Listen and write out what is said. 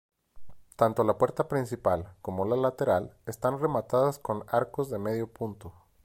Tanto la puerta principal como la lateral están rematadas con arcos de medio punto.